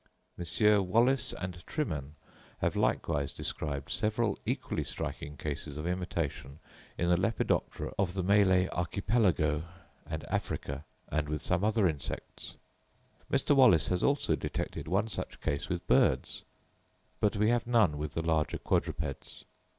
Messrs. Wallace and Trimen have likewise described several equally striking cases of imitation in the Lepidoptera of the Malay Archipelago and Africa, and with some other insects. Mr. Wallace has also detected one such case with birds, but we have none with the larger quadrupeds.